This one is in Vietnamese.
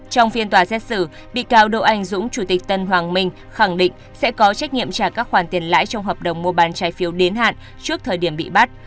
trong phiên tòa xét xử bị cáo đỗ anh dũng chủ tịch tân hoàng minh khẳng định sẽ có trách nhiệm trả các khoản tiền lãi trong hợp đồng mua bán trái phiếu đến hạn trước thời điểm bị bắt